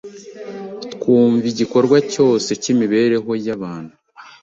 twumva igikorwa cyose cy’imibereho y’abantu